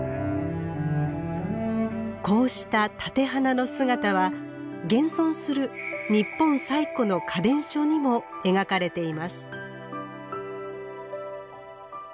こうした立て花の姿は現存する日本最古の花伝書にも描かれています。